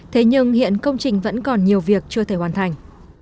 thế nhưng hiện công trình vẫn còn nhiều việc chưa thể hoàn thành